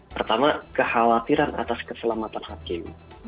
pertama kekhawatiran atas keselamatan hakim